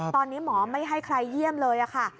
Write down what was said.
ตอนนี้หมอไม่ให้ใครเยี่ยมเลยค่ะ